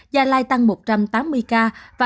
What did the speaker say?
đắc lãnh ba trăm linh bảy ca